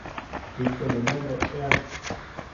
Into ne nuen e’ean.